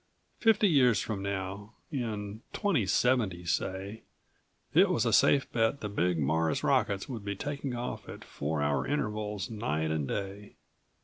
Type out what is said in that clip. Fifty years from now, in 2070, say, it was a safe bet the big Mars rockets would be taking off at four hour intervals night and day.